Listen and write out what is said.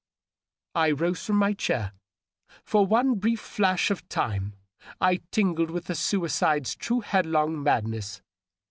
I rose from my chair. For one brief flash of time I tingled with the suicide's true headlong madness.